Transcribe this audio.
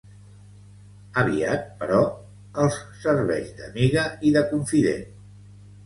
Aviat, però, els serveix d'amiga i de confident.